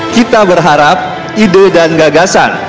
kita berharap ide dan gagasan